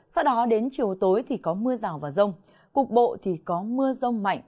sau đó đến chiều tối thì có mưa rào và rông cục bộ thì có mưa rông mạnh